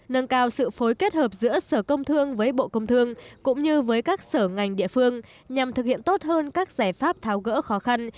nâng cao sự phối kết hợp giữa sở công thương với bộ công thương cũng như với các sở ngành địa phương nhằm thực hiện tốt hơn các giải pháp tháo gỡ khó khăn